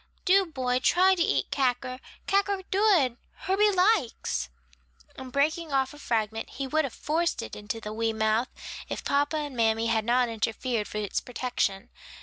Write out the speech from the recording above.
Do, boy, try to eat cacker, cacker dood, Herbie likes," and breaking off a fragment he would have forced it into the wee mouth, if papa and mammy had not interfered for its protection.